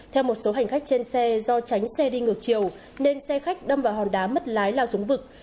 theo một số hành khách trên xe do tránh xe đi ngược chiều nên xe khách đâm vào hòn đá mất lái lao xuống vực